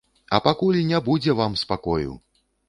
А пакуль не будзе вам спакою!